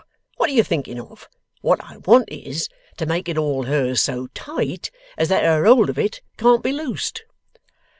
What are you thinking of! What I want is, to make it all hers so tight as that her hold of it can't be loosed.